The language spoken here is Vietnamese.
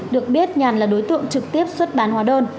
được biết nhàn là đối tượng trực tiếp xuất bán hóa đơn